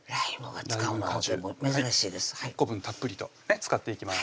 １個分たっぷりと使っていきます